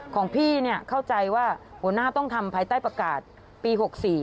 ของพี่เข้าใจว่าหัวหน้าต้องทำภายใต้ประกาศปี๖๔